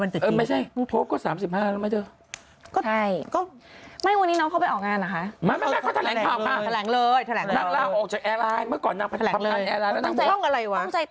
แต่ก็ทุกคนเห็นไอยางอายุสัปดาห์พูดเสียงนักลักหน่อยวันจดี